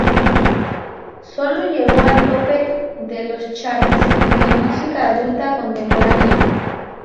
Solo llegó al tope de los charts de música adulta contemporánea.